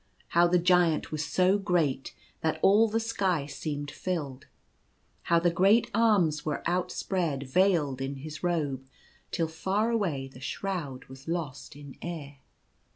How the Giant was so great that all the sky seemed filled. How the great arms were outspread, veiled in his robe, till far away the shroud was lost in air.